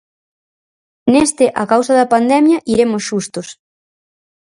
Neste a causa da pandemia iremos xustos.